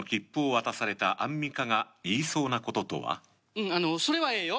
うんそれはええよ